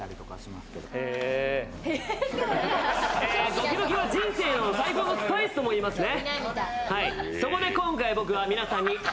ドキドキは人生の最高のスパイスとも言いますね。